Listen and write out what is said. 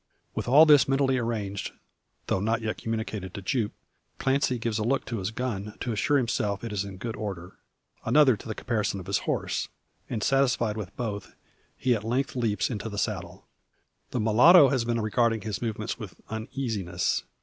With all this mentally arranged, though not yet communicated to Jupe, Clancy gives a look to his gun to assure himself it is in good order; another to the caparison of his horse; and, satisfied with both, he at length leaps into the saddle. The mulatto has been regarding his movements with uneasiness.